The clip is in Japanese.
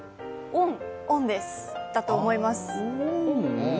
オンだと思います。